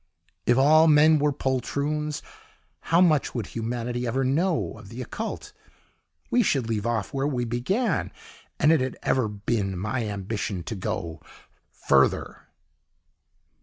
If all men were poltroons, how much would humanity ever know of the Occult? We should leave off where we began, and it had ever been my ambition to go FURTHER.